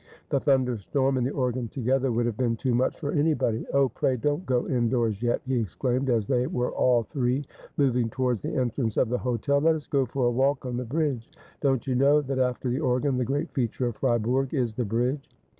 The thunderstorm and the organ together would have been too much for anybody. 292 Asphodel. Oh, pray don't go indoors yet,' he exclaimed, as they were all three moving towards the entrance of the hotel. ' Let us go for a walk on the bridge. Don't you know that after the organ the great feature of Fribourg is the bridge